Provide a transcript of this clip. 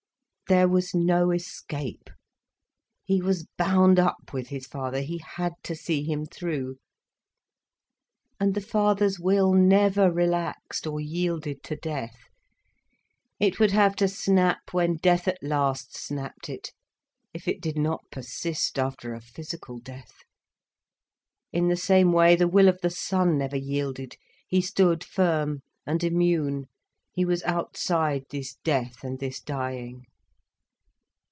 There was no escape—he was bound up with his father, he had to see him through. And the father's will never relaxed or yielded to death. It would have to snap when death at last snapped it,—if it did not persist after a physical death. In the same way, the will of the son never yielded. He stood firm and immune, he was outside this death and this dying.